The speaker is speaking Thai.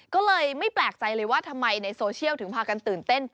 ก็เลยไม่แปลกใจเลยว่าทำไมในโซเชียลถึงพากันตื่นเต้น